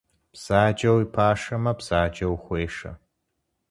Бзаджэ уи пашэмэ, бзаджэ ухуешэ.